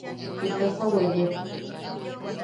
¿Jitasa weye?